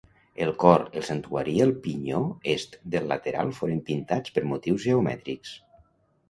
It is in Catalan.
El cor, el santuari i el pinyó est del lateral foren pintats per motius geomètrics.